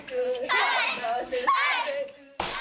はい！